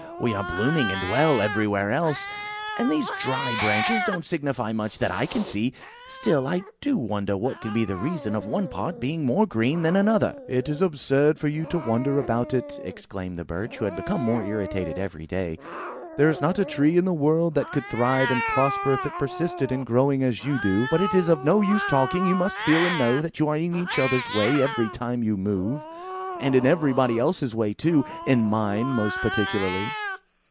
We are blooming and well everywhere else, and these dry branches don't signify much that I can see. Still, I do wonder what can be the reason of one part being more green than another." "It is absurd for you to wonder about it," exclaimed the Birch, who became more irritated every day. "There is not a tree in the world that could thrive and prosper, if it persisted in growing as you do. But it is of no use talking! You must feel and know that you are in each other's way every time you move; and in everybody else's way too. In mine, most particularly."